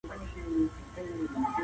ابن خلدون د علم نظریې سره کوم تړاو لري؟